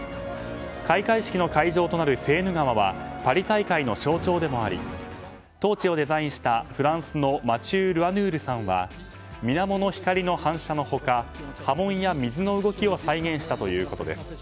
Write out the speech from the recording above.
開会式の会場となるセーヌ川はパリ大会の象徴でもありトーチをデザインしたフランスのマチュー・ルアヌールさんは水面の光の反射の他波紋や水の動きを再現したということです。